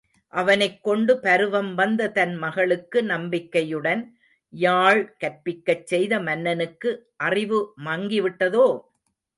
அவனைக் கொண்டு பருவம் வந்த தன் மகளுக்கு நம்பிக்கையுடன் யாழ் கற்பிக்கச் செய்த மன்னனுக்கு அறிவு மங்கிவிட்டதோ?